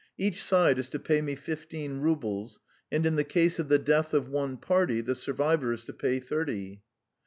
Each side is to pay me fifteen roubles, and in the case of the death of one party, the survivor is to pay thirty."